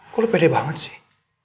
kok lo beda banget sih